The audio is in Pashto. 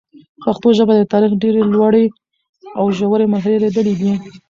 پښتو ژبه د تاریخ ډېري لوړي او ژوري مرحلې لیدلي دي.